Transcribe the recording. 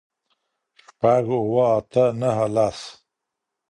شپږ اووه آته نهه لس